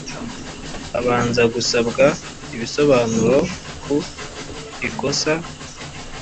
abanza gusabwa ibisobanuro ku ikosa